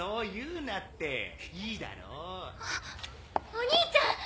お兄ちゃん！